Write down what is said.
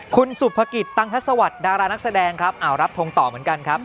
คุณสุภกิจตังทัศวรรคดารานักแสดงครับรับทงต่อเหมือนกันครับ